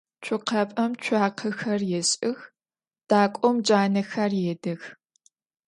Цокъапӏэм цуакъэхэр ешӏых, дакӏом джанэхэр едых.